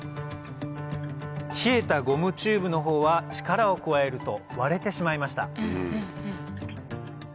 冷えたゴムチューブの方は力を加えると割れてしまいました